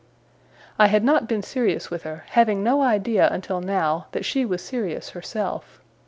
I had not been serious with her; having no idea until now, that she was serious herself.